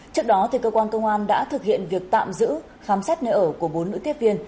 trước đó cơ quan công an đã thực hiện việc tạm giữ khám xét nơi ở của bốn nữ tiếp viên